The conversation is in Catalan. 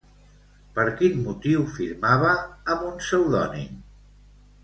Per quin motiu firmava amb un pseudònim?